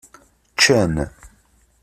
Ččan.